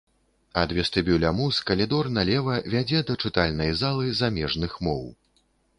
Ад вестыбюля муз калідор налева вядзе да чытальнай залы замежных моў.